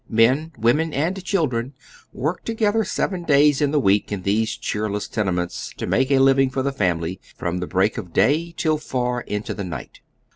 Men, women and children work together seven days in the week in these cheerless tenements to make a living for the family, from the break of day till far into the night.